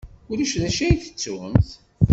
Ulac d acu ay tettumt?